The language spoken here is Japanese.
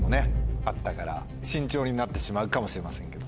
慎重になってしまうかもしれませんけど。